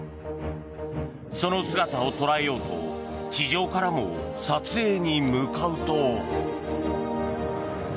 その姿を捉えようと地上からも撮影に向かうと。